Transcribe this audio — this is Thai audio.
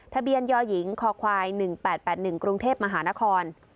ทะเบียนยหญิงคควาย๑๘๘๑กรุงเทพมหานคร